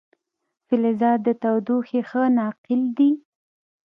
فلزات د تودوخې ښه ناقل دي.